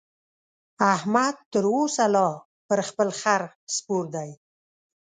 احمد تر اوسه لا پر خپل خره سپور دی.